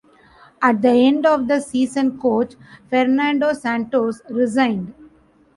At the end of the season coach Fernando Santos resigned.